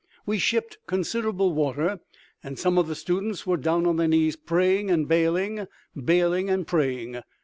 We shipped considerable water, and some of the students were down on their knees praying and bailing, bailing and praying.